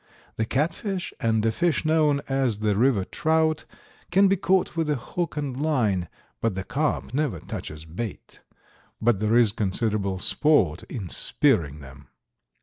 The catfish and a fish known as the river trout can be caught with a hook and line, but the carp never touches bait, but there is considerable sport in spearing them.